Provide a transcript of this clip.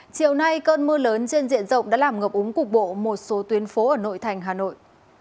chiều nay cơn mưa lớn trên diện rộng đã làm ngập úng cục bộ một số tuyến phố ở nội thành hà nội